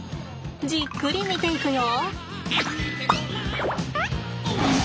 じっくり見ていくよ。